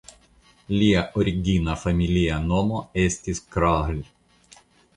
Lia origina familia nomo estis "Krahl".